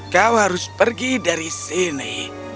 kau harus pergi dari sini